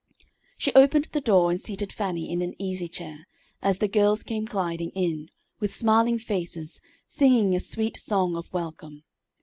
She opened the door and seated Fannie in an easy chair, as the girls came gliding in, with smiling faces, singing a sweet song of welcome.